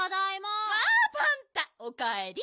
おかえり。